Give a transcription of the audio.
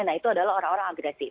nah itu adalah orang orang agresif